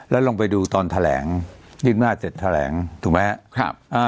แล้วลองไปดูตอนแถลงยึดมนาจเสร็จแถลงถูกไหมครับอ่า